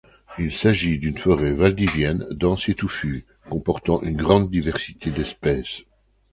Il s'agit d'une forêt valdivienne dense et touffue, comportant une grande diversité d'espèces.